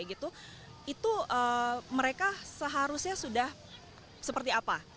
itu mereka seharusnya sudah seperti apa